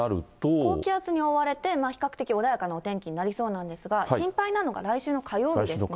高気圧に覆われて、比較的穏やかなお天気になりそうなんですが、心配なのが来週の火曜日ですね。